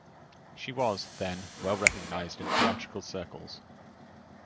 She was, then, well recognised in theatrical circles.